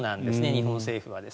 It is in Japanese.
日本政府は。